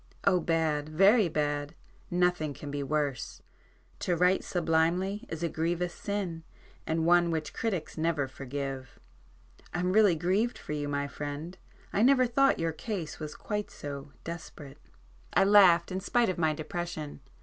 Oh bad, very bad! Nothing can be worse. To write sublimely is a grievous sin, and one which critics never forgive. I'm really grieved for you, my friend—I never thought your case was quite so desperate." I laughed in spite of my depression.